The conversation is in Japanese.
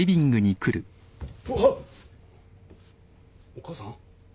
お母さん？